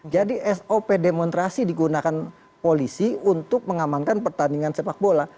jadi sop demonstrasi digunakan polisi untuk mengamankan pertandingan sepak bola